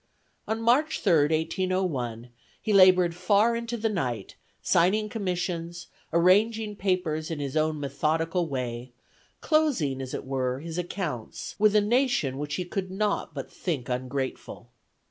On March 3rd, 1801, he labored far into the night, signing commissions, arranging papers in his own methodical way, closing, as it were, his accounts with a nation which he could not but think ungrateful.